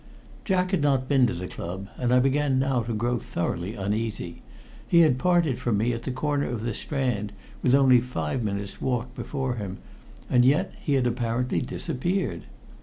Jack had not been to the club, and I began now to grow thoroughly uneasy. He had parted from me at the corner of the Strand with only a five minutes' walk before him, and yet he had apparently disappeared.